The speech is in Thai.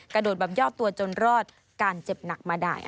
กระโดดแบบยอดตัวจนรอดการเจ็บหนักมาได้